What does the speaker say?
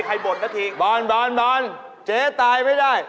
เจ๊ตายปัดแต่ย์ไม่ได้